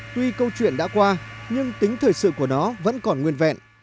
tuy câu chuyện đã qua nhưng tính thời sự của nó vẫn còn nguyên vẹn